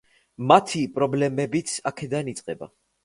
მათი პრობლემებიც აქედან იწყება.